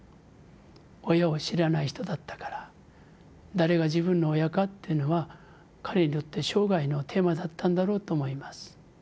親を知らない人だったから誰が自分の親かっていうのは彼にとって生涯のテーマだったんだろうと思います。